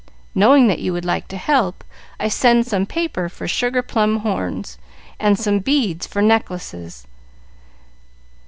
Knowing that you would like to help, I send some paper for sugar plum horns and some beads for necklaces.